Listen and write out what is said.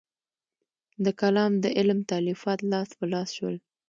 د کلام د علم تالیفات لاس په لاس شول.